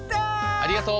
ありがとう。